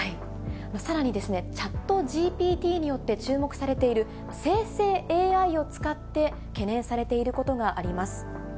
さらにＣｈａｔＧＰＴについて注目されている生成ＡＩを使って懸念されていることがあります。